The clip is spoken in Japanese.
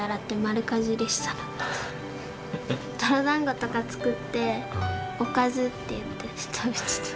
泥だんごとか作って「おかず」って言って食べてた。